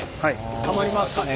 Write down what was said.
はまりますかね